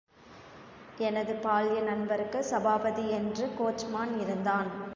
எனது பால்ய நண்பருக்கு, சபாபதி என்று கோச்மான் இருந்தான்.